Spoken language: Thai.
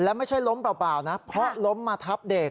แล้วไม่ใช่ล้มเปล่านะเพราะล้มมาทับเด็ก